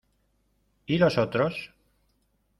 ¿ y los otros?